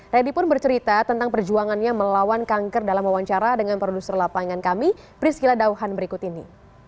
ready pun bercerita tentang perjuangannya melawan kanker dalam wawancara dengan produser lapangan kami priscila dauhan berikut ini